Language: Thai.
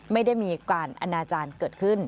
ไม่ได้มีการอนาจารย์เกิดขึ้น